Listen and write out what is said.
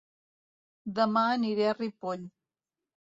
Dema aniré a Ripoll